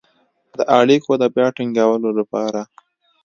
د اړیکو د بيا ټينګولو لپاره